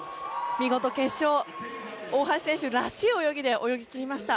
見事、決勝大橋選手らしい泳ぎで泳ぎ切りました。